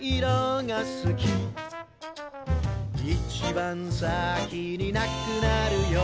「いちばん先になくなるよ」